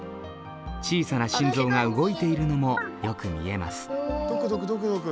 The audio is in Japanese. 小さな心臓が動いているのもよく見えますドクドクドクドク。